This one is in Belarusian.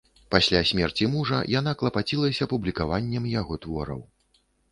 Пасля смерці мужа яна клапацілася публікаваннем яго твораў.